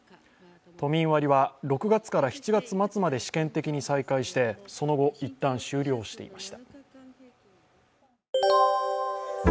都民割は、６月から７月末まで試験的に再開してその後、一旦終了していました。